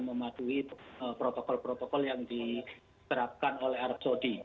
mematuhi protokol protokol yang diterapkan oleh arab saudi